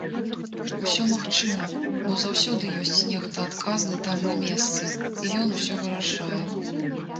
Усё магчыма, бо заўсёды ёсць нехта адказны там на месцы, і ён усё вырашае.